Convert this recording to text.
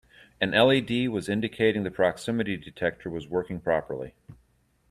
An LED was indicating the proximity detector was working properly.